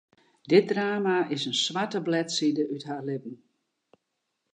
Dit drama is in swarte bledside út har libben.